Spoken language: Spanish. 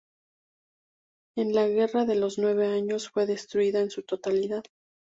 En la Guerra de los nueve años fue destruida en su totalidad.